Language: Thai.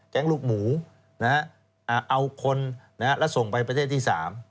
แก๊งลูกหมูนะฮะเอาคนนะฮะแล้วส่งไปประเทศที่สาม